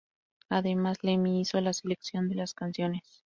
Además Lemmy hizo la selección de las canciones.